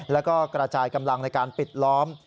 แล้วก็กระจายกำลังในการปิดล้อม